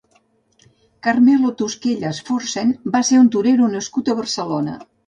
Carmelo Tusquellas Forcen va ser un torero nascut a Barcelona.